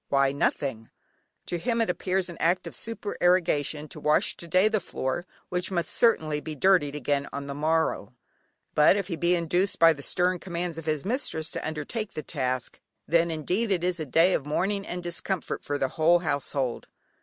Why nothing." To him it appears an act of supererogation to wash to day the floor, which must certainly be dirtied again on the morrow. But if he be induced, by the stern commands of his mistress to undertake the task, then indeed is it a day of mourning and discomfort for the whole household.